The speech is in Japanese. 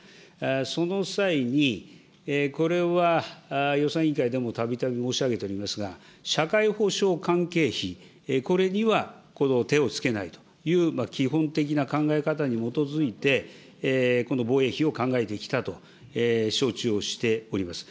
その際に、これは予算委員会でもたびたび申し上げておりますが、社会保障関係費、これには手をつけないという基本的な考え方に基づいて、この防衛費を考えてきたと承知をしております。